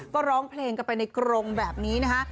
ก็ร้องเพลงกันไปในกรงแบบนี้นะคะ